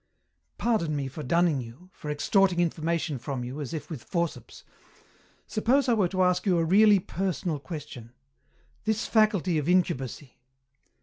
"Pardon me for dunning you, for extorting information from you as if with forceps suppose I were to ask you a really personal question this faculty of incubacy